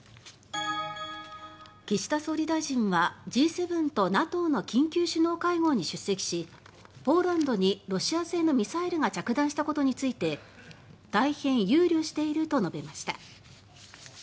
岸田総理大臣はＧ７とＮＡＴＯの緊急首脳会合に出席しポーランドにロシア製のミサイルが着弾したことについて「大変憂慮している」と述べました。